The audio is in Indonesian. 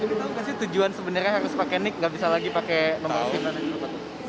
itu kan sih tujuan sebenarnya harus pakai nik nggak bisa lagi pakai nomor sium